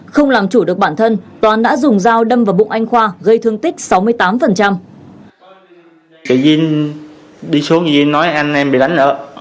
không làm chủ được bản thân toàn đã dùng dao đâm vào bụng anh khoa gây thương tích sáu mươi tám